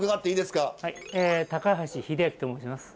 高橋秀明と申します。